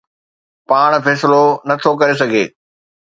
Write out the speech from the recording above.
پاڻ فيصلو نه ٿو ڪري سگهي.